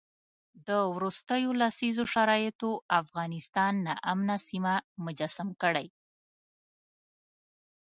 د وروستیو لسیزو شرایطو افغانستان ناامنه سیمه مجسم کړی.